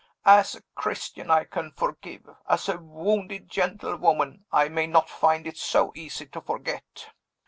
As a Christian, I can forgive; as a wounded gentlewoman, I may not find it so easy to forget."